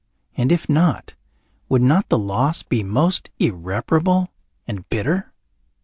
And if not, would not the loss be most irreparable and bitter?